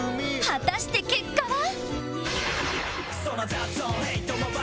果たして結果は？